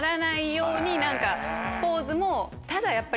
ポーズも。